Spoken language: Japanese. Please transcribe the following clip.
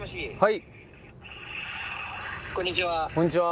はい。